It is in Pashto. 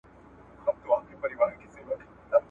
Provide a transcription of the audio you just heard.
«د دې ناوړه کاروبار» د را منځته کېدلو